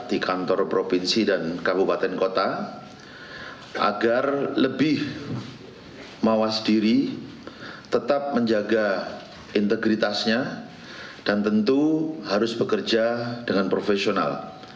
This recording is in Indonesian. di kantor provinsi dan kabupaten kota agar lebih mawas diri tetap menjaga integritasnya dan tentu harus bekerja dengan profesional